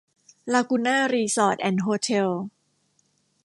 ลากูน่า รีสอร์ท แอนด์ โฮเท็ล